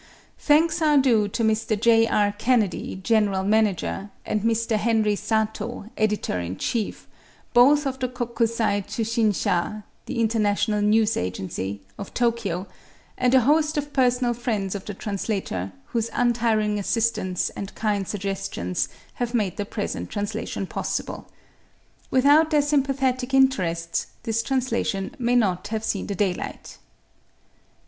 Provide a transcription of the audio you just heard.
Thanks are due to Mr. J. R. Kennedy, General Manager, and Mr. Henry Satoh, Editor in Chief, both of the Kokusai Tsushin sha (the International News Agency) of Tokyo and a host of personal friends of the translator whose untiring assistance and kind suggestions have made the present translation possible. Without their sympathetic interests, this translation may not have seen the daylight.